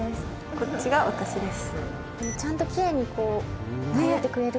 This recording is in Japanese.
こっちが私です。